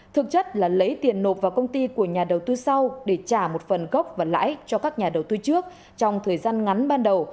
thực chất là lấy tiền nộp vào công ty của nhà đầu tư sau để trả một phần gốc và lãi cho các nhà đầu tư trước trong thời gian ngắn ban đầu